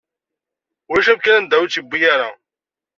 Ulac amkan anda ur tt-iwwi ara